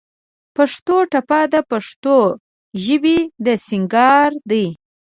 پښتو ټپه د پښتو ژبې د سينګار دى.